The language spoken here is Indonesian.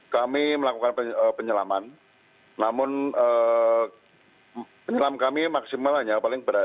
kami melakukan penyelaman namun penyelam kami maksimal hanya paling berat